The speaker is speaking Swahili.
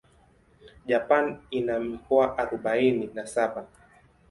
Japan ina mikoa arubaini na saba.